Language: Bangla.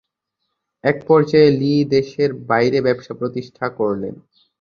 একপর্যায়ে লি দেশের বাইরে ব্যবসা প্রতিষ্ঠা করলেন।